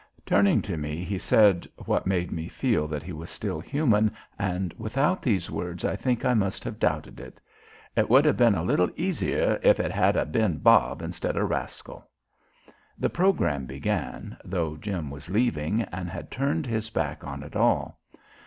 Turning to me he said, what made me feel that he was still human, and without these words I think I must have doubted it. "It would have been a little easier if it had a' been Bob instead of Rascal." The program began, though Jim was leaving and had turned his back on it all.